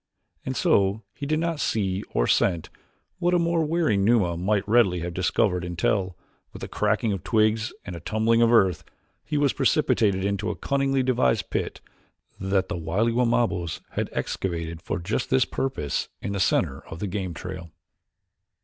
And so he did not see or scent what a more wary Numa might readily have discovered until, with the cracking of twigs and a tumbling of earth, he was precipitated into a cunningly devised pit that the wily Wamabos had excavated for just this purpose in the center of the game trail.